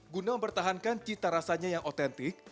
guna mempertahankan cita rasanya yang otentik